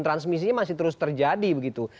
transmisinya masih terus terjadi begitu